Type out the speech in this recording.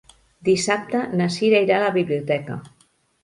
Dissabte na Cira irà a la biblioteca.